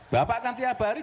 bapak kan tiap hari